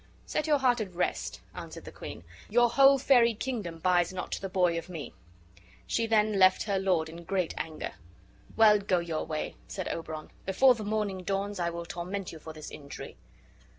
"Set your heart at rest," answered the queen; "your whole fairy kingdom buys not the boy of me." She then left her lord in great anger. "Well, go your way," said Oberon; "before the morning dawns I will torment you for this injury."